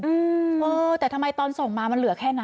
เออแต่ทำไมตอนส่งมามันเหลือแค่นั้น